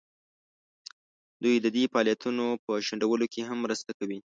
دوی د دې فعالیتونو په شنډولو کې هم مرسته کوي.